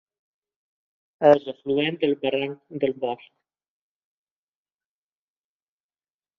És afluent del barranc del Bosc.